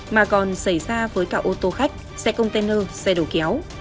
mà còn xảy ra với cả ô tô khách xe container xe đầu kéo